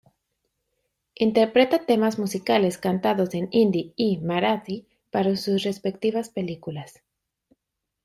Interpreta temas musicales cantados en hindi y marathi, para sus respectivas películas.